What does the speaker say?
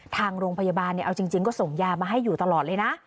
ทางโรงพยาบาลเอาจริงก็ส่งยามาให้อยู่ตลอดเลยนะ